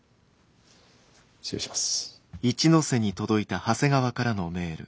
失礼します。